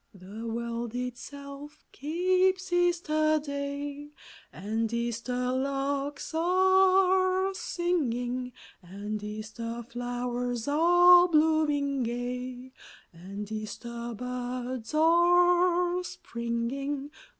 The world itself keeps Easter Day, And Easter larks are singing ; And Easter flowers are blooming gay, And Easter buds are springing.